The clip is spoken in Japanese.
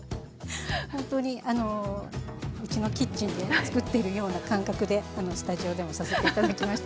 本当にうちのキッチンで作っているような感覚でスタジオでもさせて頂きました。